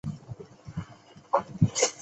室町幕府的将军为足利义满。